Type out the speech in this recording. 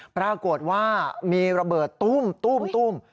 ปรากฏว่ามีระเบิดตุ้ม